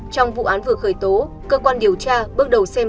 trong vụ án vừa khởi tố cơ quan điều tra bước đầu